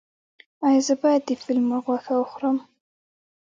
ایا زه باید د فیل مرغ غوښه وخورم؟